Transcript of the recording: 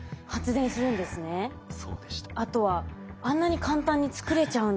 あとはあんなに簡単に作れちゃうんだと。